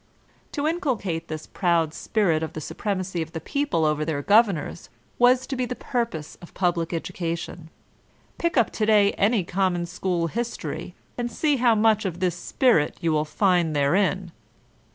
To inculcate this proud spirit of the supremacy of the people over their governors was to be the purpose of pub lic education ! Pick up to day any common school history, and see how much of this spirit you will find therein.